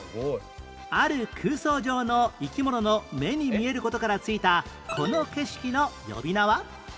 ある空想上の生き物の目に見える事から付いたこの景色の呼び名は？